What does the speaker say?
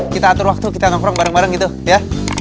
kita atur waktu kita nongkrong bareng bareng gitu ya